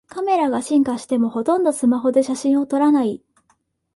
カメラが進化してもほとんどスマホで写真を撮らない